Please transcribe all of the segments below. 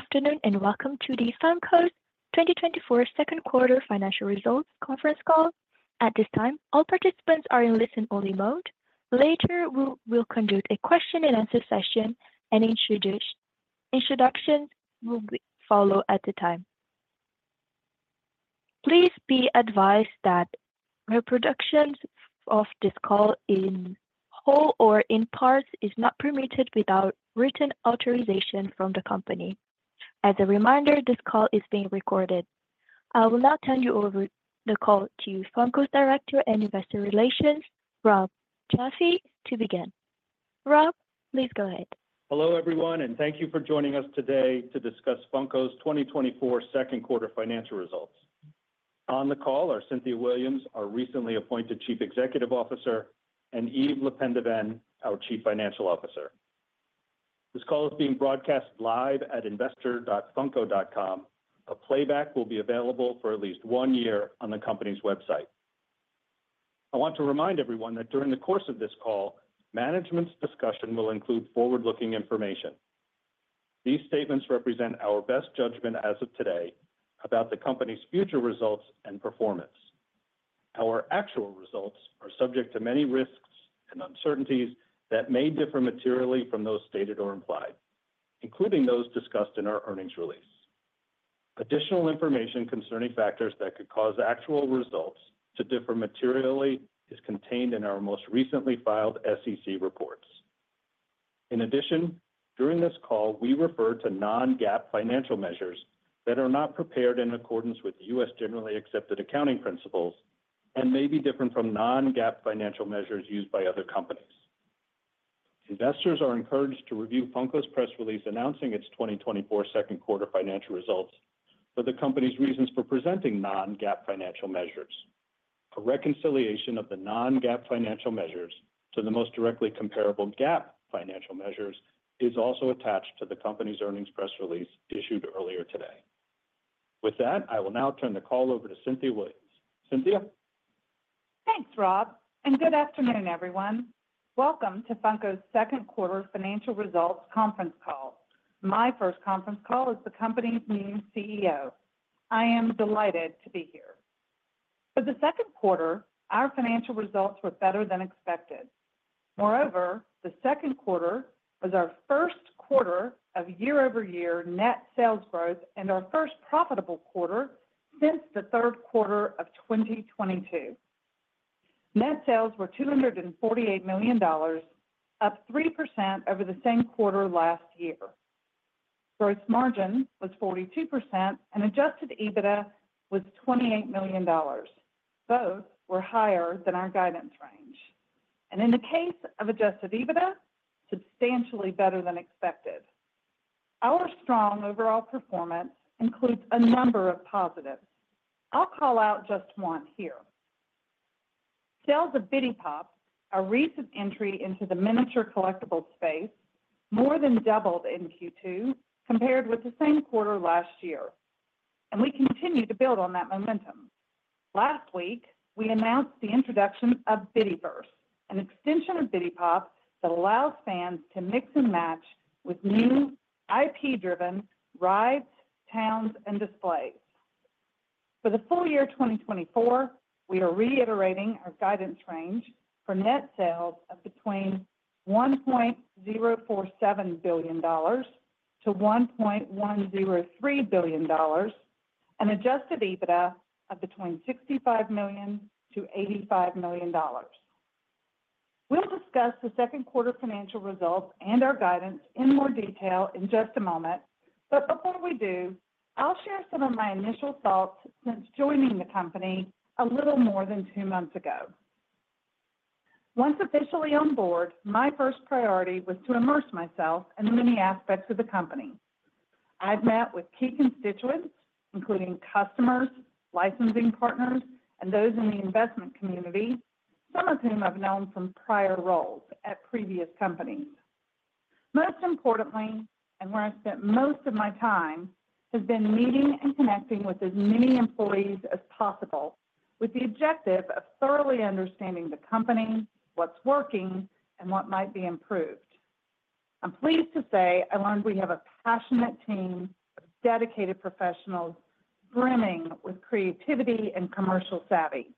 Good afternoon, and welcome to Funko's 2024 second quarter financial results conference call. At this time, all participants are in listen-only mode. Later, we'll conduct a question-and-answer session, and introductions will follow at that time. Please be advised that reproductions of this call in whole or in part are not permitted without written authorization from the company. As a reminder, this call is being recorded. I will now turn the call over to Funko's Director of Investor Relations, Rob Jaffe, to begin. Rob, please go ahead. Hello, everyone, and thank you for joining us today to discuss Funko's 2024 second quarter financial results. On the call are Cynthia Williams, our recently appointed Chief Executive Officer, and Yves LePendeven, our Chief Financial Officer. This call is being broadcast live at investor.funko.com. A playback will be available for at least one year on the company's website. I want to remind everyone that during the course of this call, management's discussion will include forward-looking information. These statements represent our best judgment as of today about the company's future results and performance. Our actual results are subject to many risks and uncertainties that may differ materially from those stated or implied, including those discussed in our earnings release. Additional information concerning factors that could cause actual results to differ materially is contained in our most recently filed SEC reports. In addition, during this call, we refer to non-GAAP financial measures that are not prepared in accordance with the US generally accepted accounting principles and may be different from non-GAAP financial measures used by other companies. Investors are encouraged to review Funko's press release announcing its 2024 second quarter financial results for the company's reasons for presenting non-GAAP financial measures. A reconciliation of the non-GAAP financial measures to the most directly comparable GAAP financial measures is also attached to the company's earnings press release issued earlier today. With that, I will now turn the call over to Cynthia Williams. Cynthia? Thanks, Rob, and good afternoon, everyone. Welcome to Funko's second quarter financial results conference call. My first conference call as the company's new CEO. I am delighted to be here. For the second quarter, our financial results were better than expected. Moreover, the second quarter was our first quarter of year-over-year net sales growth and our first profitable quarter since the third quarter of 2022. Net sales were $248 million, up 3% over the same quarter last year. Gross margin was 42% and adjusted EBITDA was $28 million. Both were higher than our guidance range. And in the case of adjusted EBITDA, substantially better than expected. Our strong overall performance includes a number of positives. I'll call out just one here. Sales of Bitty Pop!, our recent entry into the miniature collectible space, more than doubled in Q2 compared with the same quarter last year, and we continue to build on that momentum. Last week, we announced the introduction of Bittyverse, an extension of Bitty Pop! that allows fans to mix and match with new IP-driven rides, towns, and displays. For the full year 2024, we are reiterating our guidance range for net sales of between $1.047 billion-$1.103 billion, and Adjusted EBITDA of between $65 million-$85 million. We'll discuss the second quarter financial results and our guidance in more detail in just a moment, but before we do, I'll share some of my initial thoughts since joining the company a little more than two months ago. Once officially on board, my first priority was to immerse myself in many aspects of the company. I've met with key constituents, including customers, licensing partners, and those in the investment community, some of whom I've known from prior roles at previous companies. Most importantly, and where I spent most of my time, has been meeting and connecting with as many employees as possible, with the objective of thoroughly understanding the company, what's working, and what might be improved. I'm pleased to say I learned we have a passionate team of dedicated professionals brimming with creativity and commercial savvy.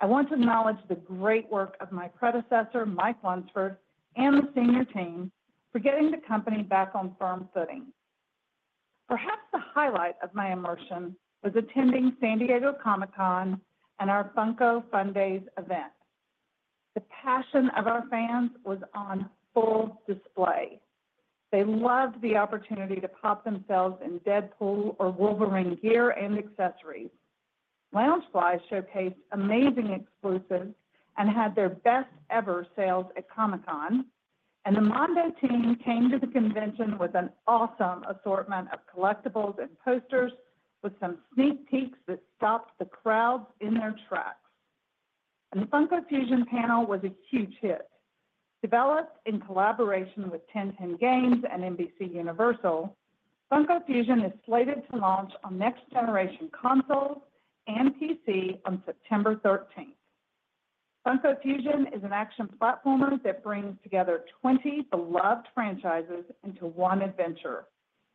I want to acknowledge the great work of my predecessor, Mike Lunsford, and the senior team for getting the company back on firm footing. Perhaps the highlight of my immersion was attending San Diego Comic-Con and our Funko Fundays event. The passion of our fans was on full display. They loved the opportunity to pop themselves in Deadpool or Wolverine gear and accessories. Loungefly showcased amazing exclusives and had their best ever sales at Comic-Con, and the Mondo team came to the convention with an awesome assortment of collectibles and posters with some sneak peeks that stopped the crowds in their tracks. And the Funko Fusion panel was a huge hit. Developed in collaboration with 10:10 Games and NBCUniversal, Funko Fusion is slated to launch on next generation consoles and PC on September thirteenth. Funko Fusion is an action platformer that brings together 20 beloved franchises into one adventure,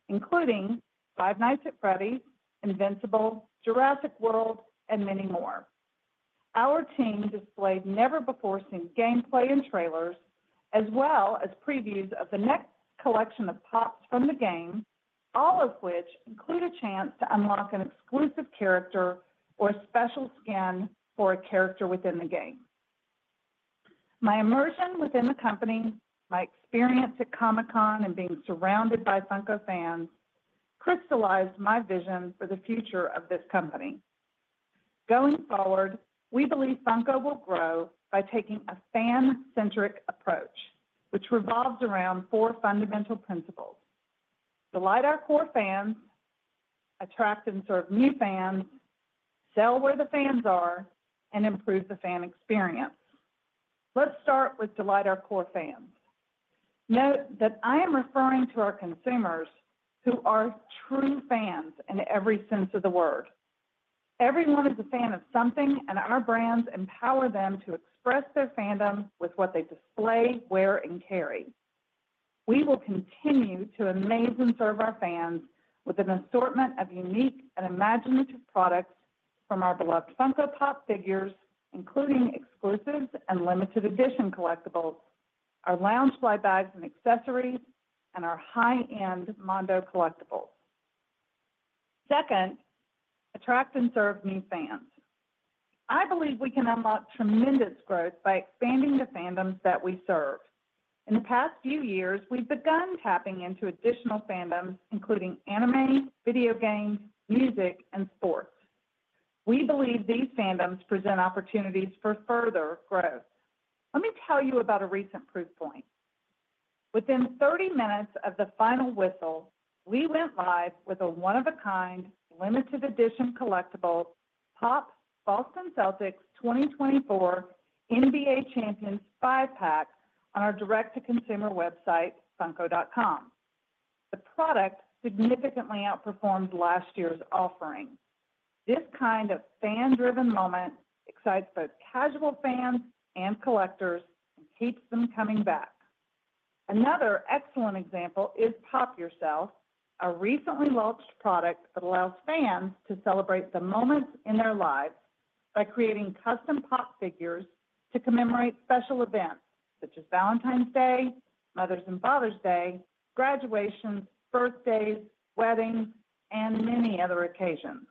including Five Nights at Freddy's, Invincible, Jurassic World, and many more. Our team displayed never-before-seen gameplay and trailers, as well as previews of the next collection of Pops from the game, all of which include a chance to unlock an exclusive character or a special skin for a character within the game. My immersion within the company, my experience at Comic-Con, and being surrounded by Funko fans crystallized my vision for the future of this company. Going forward, we believe Funko will grow by taking a fan-centric approach, which revolves around four fundamental principles: delight our core fans, attract and serve new fans, sell where the fans are, and improve the fan experience. Let's start with delight our core fans. Note that I am referring to our consumers who are true fans in every sense of the word. Everyone is a fan of something, and our brands empower them to express their fandom with what they display, wear, and carry. We will continue to amaze and serve our fans with an assortment of unique and imaginative products from our beloved Funko Pop figures, including exclusives and limited edition collectibles, our Loungefly bags and accessories, and our high-end Mondo collectibles. Second, attract and serve new fans. I believe we can unlock tremendous growth by expanding the fandoms that we serve. In the past few years, we've begun tapping into additional fandoms, including anime, video games, music, and sports. We believe these fandoms present opportunities for further growth. Let me tell you about a recent proof point. Within 30 minutes of the final whistle, we went live with a one-of-a-kind, limited edition collectible Pop! Boston Celtics 2024 NBA Champions 5-pack on our direct-to-consumer website, funko.com. The product significantly outperformed last year's offering. This kind of fan-driven moment excites both casual fans and collectors and keeps them coming back. Another excellent example is Pop! Yourself, a recently launched product that allows fans to celebrate the moments in their lives by creating custom Pop! figures to commemorate special events such as Valentine's Day, Mother's and Father's Day, graduations, birthdays, weddings, and many other occasions.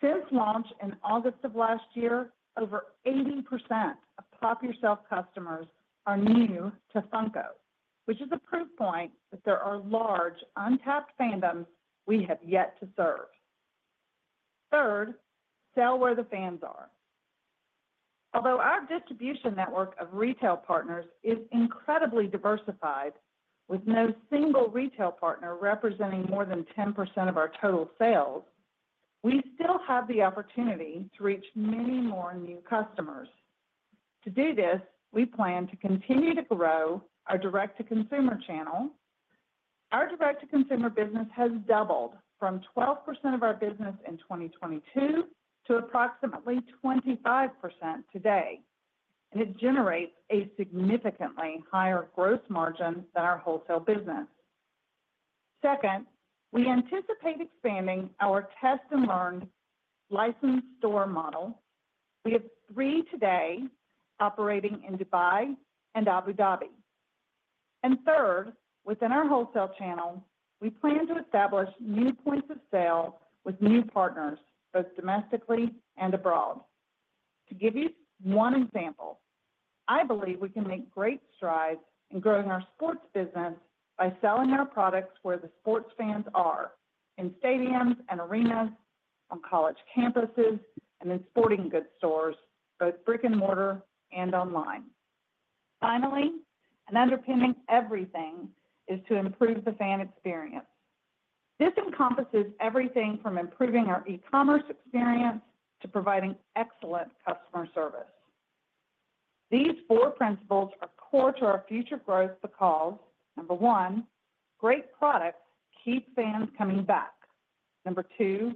Since launch in August of last year, over 80% of Pop! Yourself customers are new to Funko, which is a proof point that there are large, untapped fandoms we have yet to serve. Third, sell where the fans are. Although our distribution network of retail partners is incredibly diversified, with no single retail partner representing more than 10% of our total sales, we still have the opportunity to reach many more new customers. To do this, we plan to continue to grow our direct-to-consumer channel. Our direct-to-consumer business has doubled from 12% of our business in 2022 to approximately 25% today, and it generates a significantly higher gross margin than our wholesale business. Second, we anticipate expanding our test-and-learn licensed store model. We have three today operating in Dubai and Abu Dhabi. And third, within our wholesale channel, we plan to establish new points of sale with new partners, both domestically and abroad. To give you one example, I believe we can make great strides in growing our sports business by selling our products where the sports fans are: in stadiums and arenas, on college campuses, and in sporting goods stores, both brick-and-mortar and online. Finally, and underpinning everything, is to improve the fan experience. This encompasses everything from improving our e-commerce experience to providing excellent customer service. These four principles are core to our future growth because, number 1, great products keep fans coming back. Number two,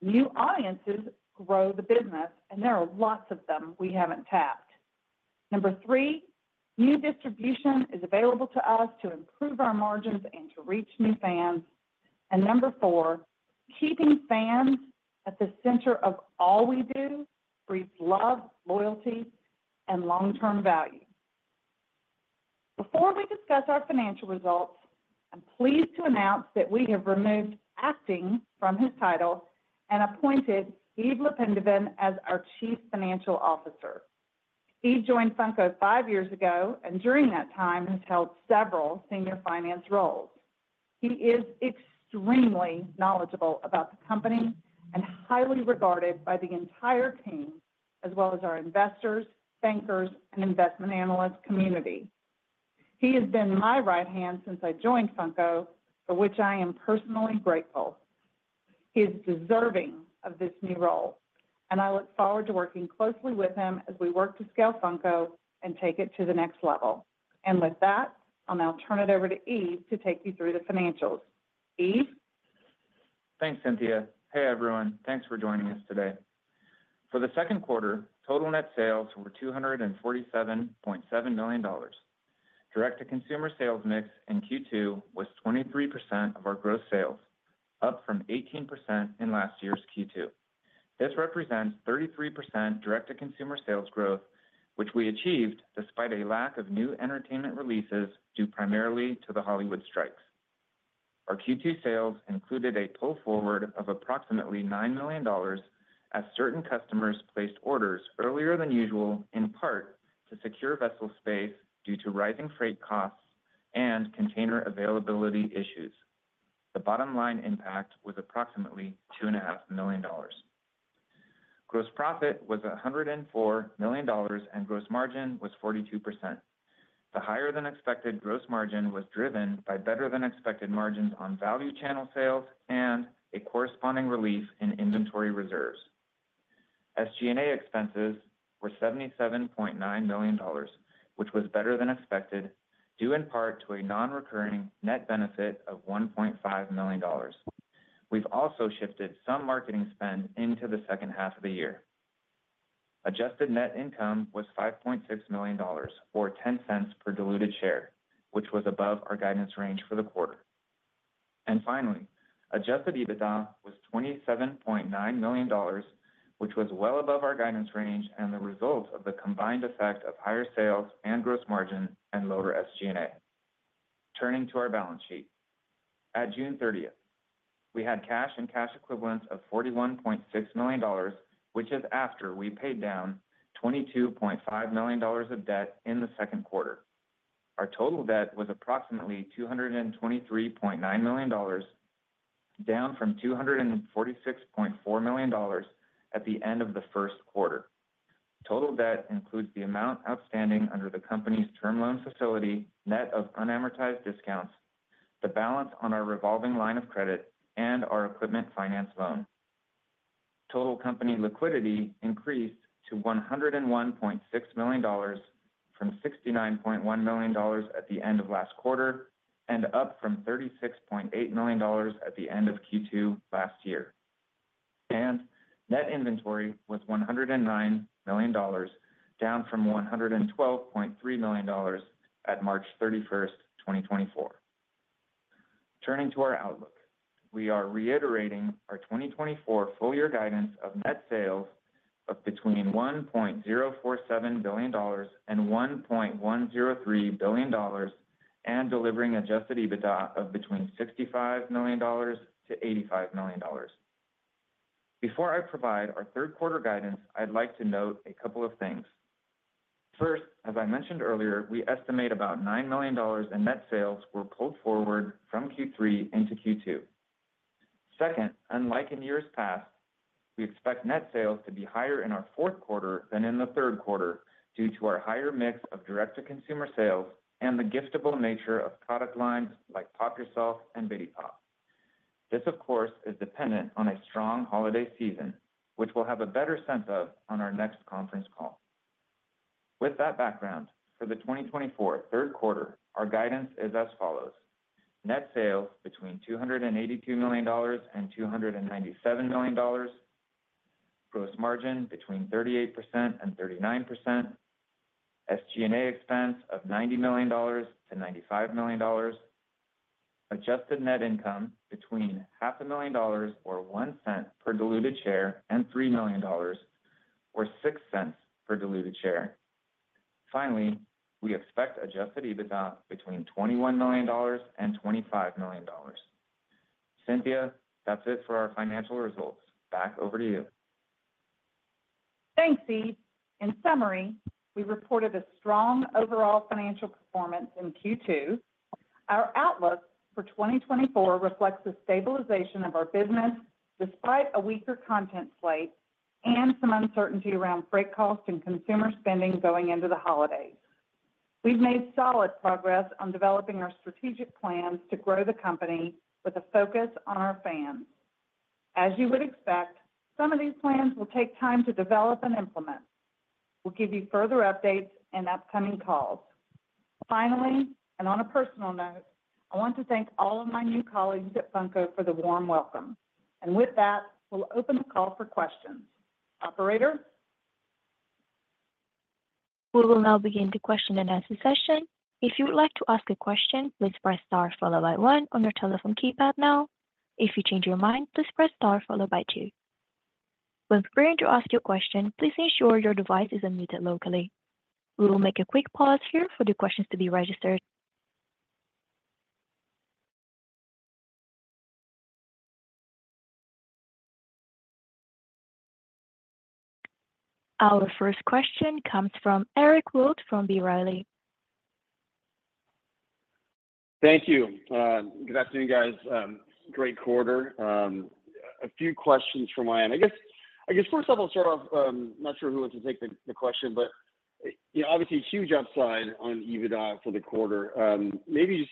new audiences grow the business, and there are lots of them we haven't tapped. Number three, new distribution is available to us to improve our margins and to reach new fans. And number four, keeping fans at the center of all we do breeds love, loyalty, and long-term value. Before we discuss our financial results, I'm pleased to announce that we have removed "Acting" from his title and appointed Yves LePendeven as our Chief Financial Officer. Yves joined Funko 5 years ago, and during that time has held several senior finance roles. He is extremely knowledgeable about the company and highly regarded by the entire team, as well as our investors, bankers, and investment analyst community. He has been my right hand since I joined Funko, for which I am personally grateful. He is deserving of this new role, and I look forward to working closely with him as we work to scale Funko and take it to the next level. With that, I'll now turn it over to Yves to take you through the financials. Yves? Thanks, Cynthia. Hey, everyone. Thanks for joining us today. For the second quarter, total net sales were $247.7 million. Direct-to-consumer sales mix in Q2 was 23% of our gross sales, up from 18% in last year's Q2. This represents 33% direct-to-consumer sales growth, which we achieved despite a lack of new entertainment releases, due primarily to the Hollywood strikes. Our Q2 sales included a pull forward of approximately $9 million, as certain customers placed orders earlier than usual, in part to secure vessel space due to rising freight costs and container availability issues. The bottom-line impact was approximately $2.5 million. Gross profit was $104 million, and gross margin was 42%. The higher-than-expected gross margin was driven by better-than-expected margins on value channel sales and a corresponding relief in inventory reserves. SG&A expenses were $77.9 million, which was better than expected, due in part to a non-recurring net benefit of $1.5 million. We've also shifted some marketing spend into the second half of the year. Adjusted net income was $5.6 million, or $0.10 per diluted share, which was above our guidance range for the quarter. And finally, Adjusted EBITDA was $27.9 million, which was well above our guidance range and the result of the combined effect of higher sales and gross margin and lower SG&A. Turning to our balance sheet. At June 30, we had cash and cash equivalents of $41.6 million, which is after we paid down $22.5 million of debt in the second quarter. Our total debt was approximately $223.9 million, down from $246.4 million at the end of the first quarter. Total debt includes the amount outstanding under the company's term loan facility, net of unamortized discounts, the balance on our revolving line of credit, and our equipment finance loan. Total company liquidity increased to $101.6 million, from $69.1 million at the end of last quarter, and up from $36.8 million at the end of Q2 last year. Net inventory was $109 million, down from $112.3 million at March 31, 2024. Turning to our outlook, we are reiterating our 2024 full year guidance of net sales of between $1.047 billion and $1.103 billion, and delivering Adjusted EBITDA of between $65 million-$85 million. Before I provide our third quarter guidance, I'd like to note a couple of things. First, as I mentioned earlier, we estimate about $9 million in net sales were pulled forward from Q3 into Q2. Second, unlike in years past, we expect net sales to be higher in our fourth quarter than in the third quarter due to our higher mix of direct-to-consumer sales and the giftable nature of product lines like Pop! Yourself and Bitty Pop!. This, of course, is dependent on a strong holiday season, which we'll have a better sense of on our next conference call. With that background, for the 2024 third quarter, our guidance is as follows: Net sales between $282 million and $297 million. Gross margin between 38% and 39%. SG&A expense of $90 million-$95 million. Adjusted net income between $500,000 or $0.01 per diluted share, and $3 million, or $0.06 per diluted share. Finally, we expect adjusted EBITDA between $21 million and $25 million. Cynthia, that's it for our financial results. Back over to you. Thanks, Yves. In summary, we reported a strong overall financial performance in Q2. Our outlook for 2024 reflects the stabilization of our business, despite a weaker content slate and some uncertainty around freight costs and consumer spending going into the holidays. We've made solid progress on developing our strategic plans to grow the company with a focus on our fans. As you would expect, some of these plans will take time to develop and implement. We'll give you further updates in upcoming calls. Finally, and on a personal note, I want to thank all of my new colleagues at Funko for the warm welcome. With that, we'll open the call for questions. Operator? We will now begin the question and answer session. If you would like to ask a question, please press star followed by one on your telephone keypad now. If you change your mind, please press star followed by two. When preparing to ask your question, please ensure your device is unmuted locally. We will make a quick pause here for the questions to be registered. Our first question comes from Eric Wold from B. Riley. Thank you. Good afternoon, guys. Great quarter. A few questions from my end. I guess first of all, to start off, not sure who wants to take the question, but, you know, obviously huge upside on EBITDA for the quarter. Maybe just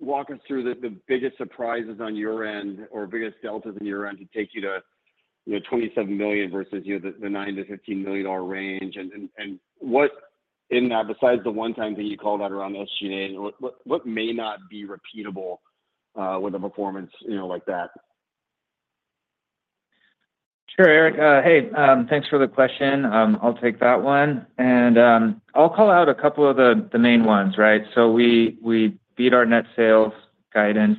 walk us through the biggest surprises on your end or biggest deltas on your end to take you to- you know, $27 million versus, you know, the $9 million-$15 million range. And what in that, besides the one-time thing you called out around the SG&A, what may not be repeatable with a performance, you know, like that? Sure, Eric. Hey, thanks for the question. I'll take that one. I'll call out a couple of the main ones, right? So we beat our net sales guidance.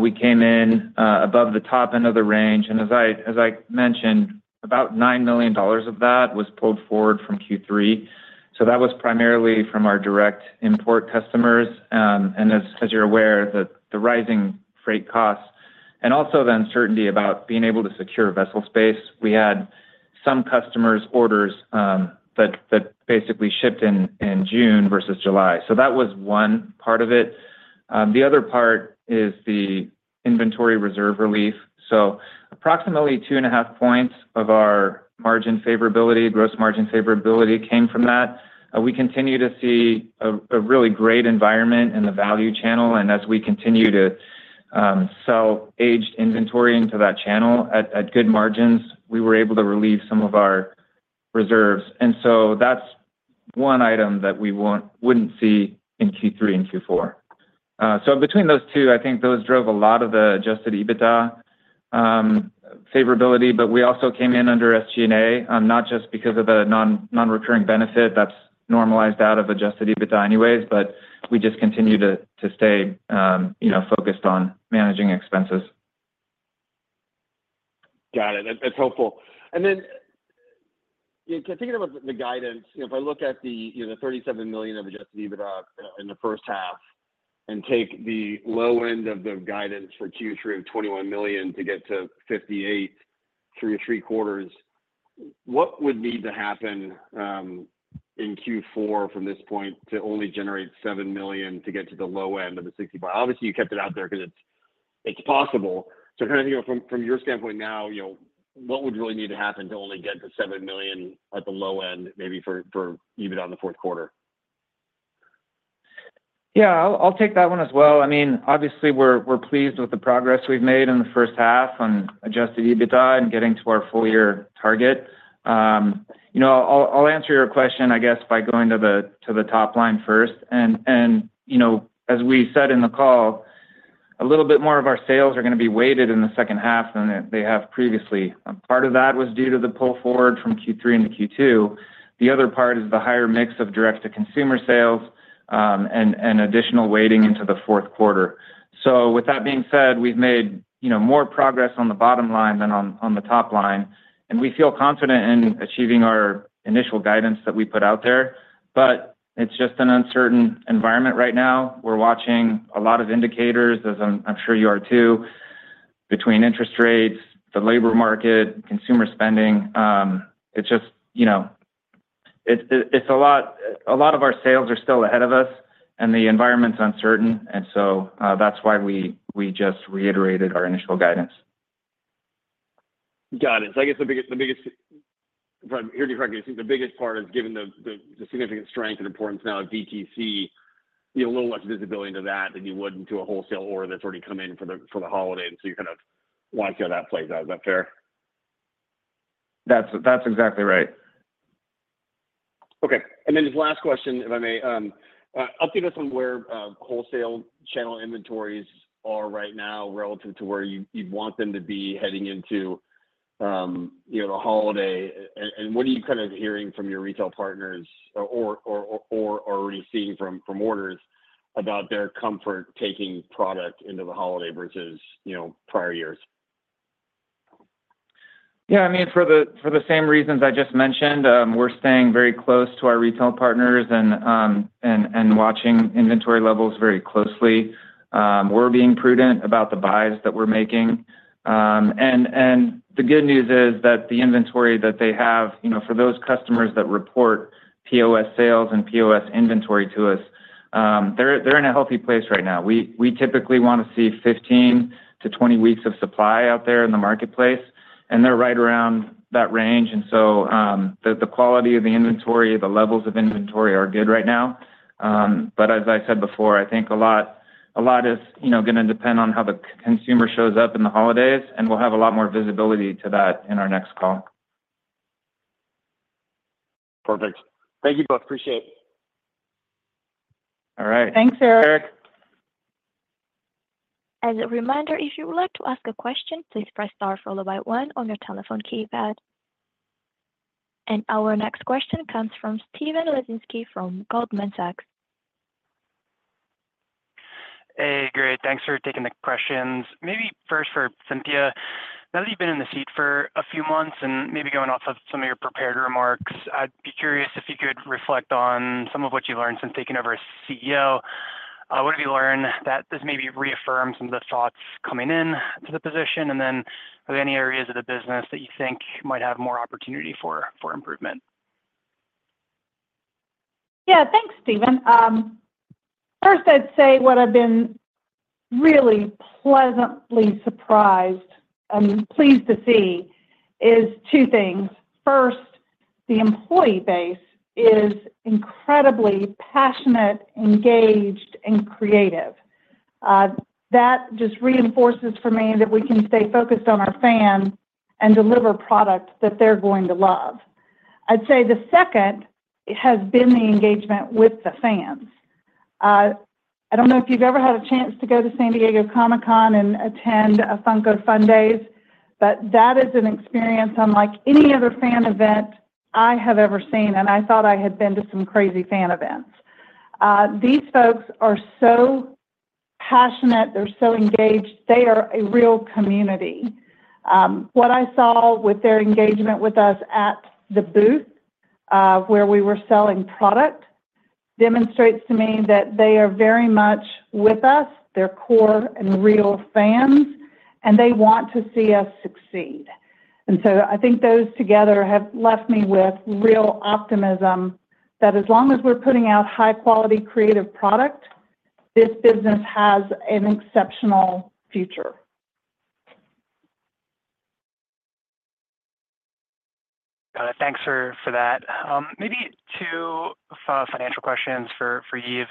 We came in above the top end of the range, and as I mentioned, about $9 million of that was pulled forward from Q3. So that was primarily from our direct import customers. And as you're aware, the rising freight costs and also the uncertainty about being able to secure vessel space. We had some customers' orders that basically shipped in June versus July. So that was one part of it. The other part is the inventory reserve relief. So approximately 2.5 points of our margin favorability, gross margin favorability came from that. We continue to see a really great environment in the value channel, and as we continue to sell aged inventory into that channel at good margins, we were able to relieve some of our reserves. And so that's one item that we wouldn't see in Q3 and Q4. So between those two, I think those drove a lot of the Adjusted EBITDA favorability, but we also came in under SG&A, not just because of a nonrecurring benefit that's normalized out of Adjusted EBITDA anyways, but we just continue to stay, you know, focused on managing expenses. Got it. That's helpful. And then, yeah, thinking about the guidance, if I look at the, you know, the $37 million of adjusted EBITDA in the first half and take the low end of the guidance for Q3 of $21 million to get to $58 million through three quarters, what would need to happen in Q4 from this point to only generate $7 million to get to the low end of the $65 million? Obviously, you kept it out there because it's possible. So kind of, you know, from your standpoint now, you know, what would really need to happen to only get to $7 million at the low end, maybe for EBITDA in the fourth quarter? Yeah, I'll take that one as well. I mean, obviously, we're pleased with the progress we've made in the first half on Adjusted EBITDA and getting to our full year target. You know, I'll answer your question, I guess, by going to the top line first. And, you know, as we said in the call, a little bit more of our sales are gonna be weighted in the second half than they have previously. Part of that was due to the pull forward from Q3 into Q2. The other part is the higher mix of direct-to-consumer sales, and additional weighting into the fourth quarter. So with that being said, we've made, you know, more progress on the bottom line than on the top line, and we feel confident in achieving our initial guidance that we put out there. But it's just an uncertain environment right now. We're watching a lot of indicators, as I'm, I'm sure you are, too, between interest rates, the labor market, consumer spending. It's just, you know, it's, it's a lot... A lot of our sales are still ahead of us, and the environment's uncertain, and so, that's why we, we just reiterated our initial guidance. Got it. So I guess the biggest. From what I hear you correctly, I think the biggest part is given the significant strength and importance now of DTC, you know, a little less visibility into that than you would into a wholesale order that's already come in for the holiday, and so you kind of watch how that plays out. Is that fair? That's exactly right. Okay. And then just last question, if I may. Update us on where wholesale channel inventories are right now relative to where you'd want them to be heading into, you know, the holiday. And what are you kind of hearing from your retail partners or already seeing from orders about their comfort taking product into the holiday versus, you know, prior years? Yeah, I mean, for the same reasons I just mentioned, we're staying very close to our retail partners and watching inventory levels very closely. We're being prudent about the buys that we're making. And the good news is that the inventory that they have, you know, for those customers that report POS sales and POS inventory to us, they're in a healthy place right now. We typically wanna see 15-20 weeks of supply out there in the marketplace, and they're right around that range. And so, the quality of the inventory, the levels of inventory are good right now. But as I said before, I think a lot is, you know, gonna depend on how the consumer shows up in the holidays, and we'll have a lot more visibility to that in our next call. Perfect. Thank you both. Appreciate it. All right. Thanks, Eric. Eric. As a reminder, if you would like to ask a question, please press star followed by one on your telephone keypad. Our next question comes from Stephen Laszczyk from Goldman Sachs. Hey, great. Thanks for taking the questions. Maybe first for Cynthia, now that you've been in the seat for a few months and maybe going off of some of your prepared remarks, I'd be curious if you could reflect on some of what you learned since taking over as CEO. What have you learned that this maybe reaffirmed some of the thoughts coming in to the position, and then are there any areas of the business that you think might have more opportunity for improvement? Yeah. Thanks, Stephen. First, I'd say what I've been really pleasantly surprised and pleased to see is two things. First, the employee base is incredibly passionate, engaged, and creative. That just reinforces for me that we can stay focused on our fans and deliver products that they're going to love. I'd say the second, it has been the engagement with the fans. I don't know if you've ever had a chance to go to San Diego Comic-Con and attend a Funko Fundays, but that is an experience unlike any other fan event I have ever seen, and I thought I had been to some crazy fan events. These folks are so passionate, they're so engaged. They are a real community. What I saw with their engagement with us at the booth, where we were selling product, demonstrates to me that they are very much with us, they're core and real fans, and they want to see us succeed. And so I think those together have left me with real optimism that as long as we're putting out high-quality, creative product, this business has an exceptional future. Thanks for that. Maybe two financial questions for Yves.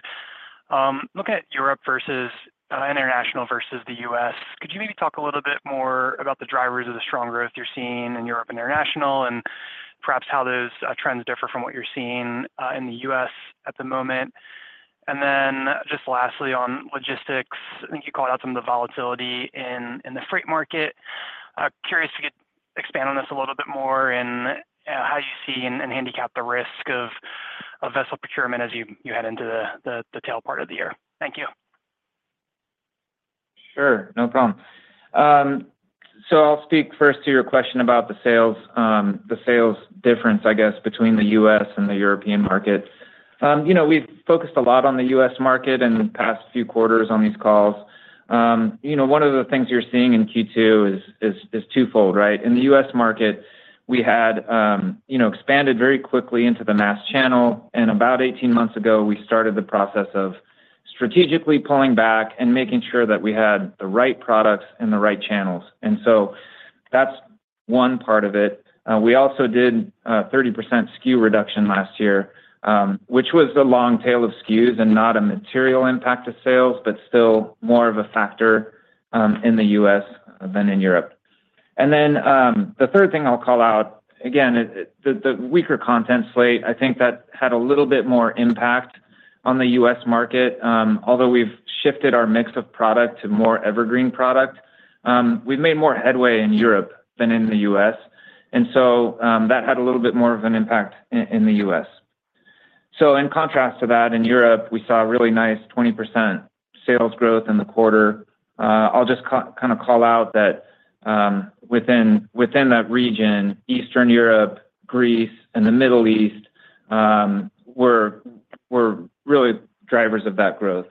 Looking at Europe versus international versus the U.S., could you maybe talk a little bit more about the drivers of the strong growth you're seeing in Europe and international, and perhaps how those trends differ from what you're seeing in the US at the moment? And then, just lastly, on logistics, I think you called out some of the volatility in the freight market. Curious to expand on this a little bit more and how you see and handicap the risk of vessel procurement as you head into the tail part of the year. Thank you. Sure. No problem. So I'll speak first to your question about the sales, the sales difference, I guess, between the U.S. and the European market. You know, we've focused a lot on the U.S. market in the past few quarters on these calls. You know, one of the things you're seeing in Q2 is twofold, right? In the U.S. market, we had expanded very quickly into the mass channel, and about 18 months ago, we started the process of strategically pulling back and making sure that we had the right products and the right channels. And so that's one part of it. We also did a 30% SKU reduction last year, which was a long tail of SKUs and not a material impact to sales, but still more of a factor in the U.S. than in Europe. And then, the third thing I'll call out, again, the weaker content slate, I think that had a little bit more impact on the U.S. market. Although we've shifted our mix of product to more evergreen product, we've made more headway in Europe than in the U.S., and so, that had a little bit more of an impact in the U.S. So in contrast to that, in Europe, we saw a really nice 20% sales growth in the quarter. I'll just kind of call out that, within that region, Eastern Europe, Greece, and the Middle East were really drivers of that growth.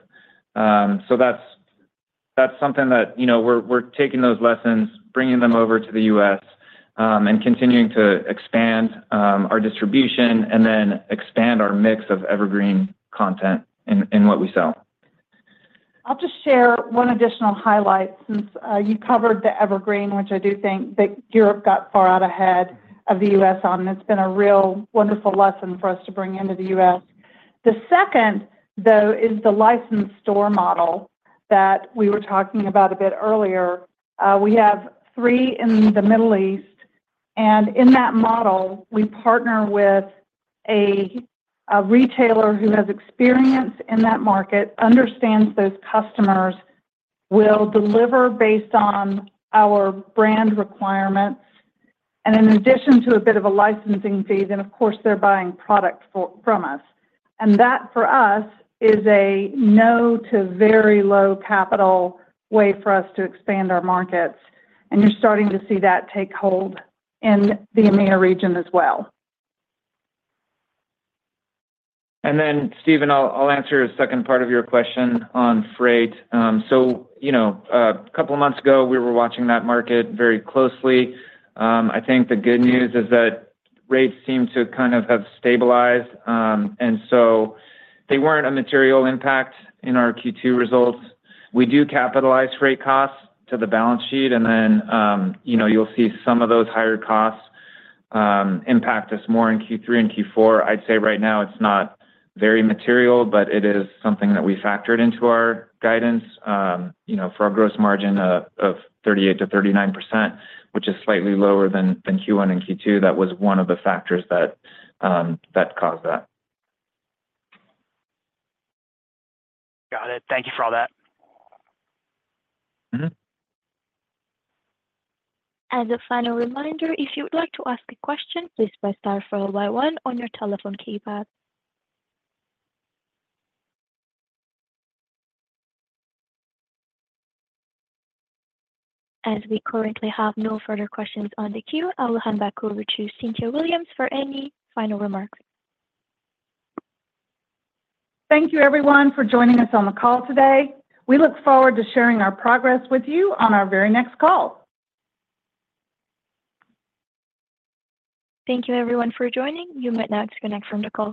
So that's something that, you know, we're taking those lessons, bringing them over to the U.S., and continuing to expand our distribution and then expand our mix of evergreen content in what we sell. I'll just share one additional highlight since you covered the evergreen, which I do think that Europe got far out ahead of the U.S. on, and it's been a real wonderful lesson for us to bring into the U.S. The second, though, is the licensed store model that we were talking about a bit earlier. We have three in the Middle East, and in that model, we partner with a retailer who has experience in that market, understands those customers, will deliver based on our brand requirements, and in addition to a bit of a licensing fee, then, of course, they're buying product for- from us. And that, for us, is a no to very low capital way for us to expand our markets, and you're starting to see that take hold in the EMEA region as well. Then, Stephen, I'll answer the second part of your question on freight. So, you know, a couple of months ago, we were watching that market very closely. I think the good news is that rates seem to kind of have stabilized, and so they weren't a material impact in our Q2 results. We do capitalize freight costs to the balance sheet, and then, you know, you'll see some of those higher costs impact us more in Q3 and Q4. I'd say right now it's not very material, but it is something that we factored into our guidance, you know, for our gross margin of 38%-39%, which is slightly lower than Q1 and Q2. That was one of the factors that caused that. Got it. Thank you for all that. Mm-hmm. A final reminder, if you would like to ask a question, please press star followed by one on your telephone keypad. As we currently have no further questions on the queue, I will hand back over to Cynthia Williams for any final remarks. Thank you, everyone, for joining us on the call today. We look forward to sharing our progress with you on our very next call. Thank you, everyone, for joining. You may now disconnect from the call.